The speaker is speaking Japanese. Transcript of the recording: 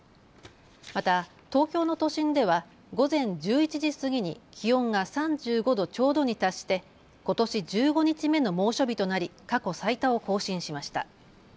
また東京の都心では午前１１時過ぎに気温が３５度ちょうどに達してことし１５日目の猛暑日となり過去最多を更新しました。